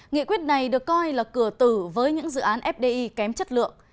nghị quyết này được coi là cửa tử với những dự án fdi kém chất lượng